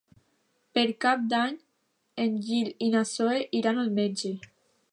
Per Cap d'Any en Gil i na Zoè iran al metge.